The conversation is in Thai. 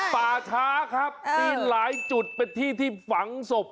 ป่าช้าครับมีหลายจุดเป็นที่ที่ฝังศพ